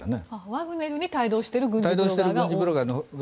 ワグネルに帯同している軍事ブロガーが。